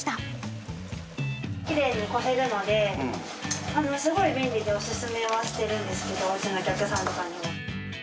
きれいにこせるので、すごい便利でお勧めはしているんですけれども、うちのお客様とかには。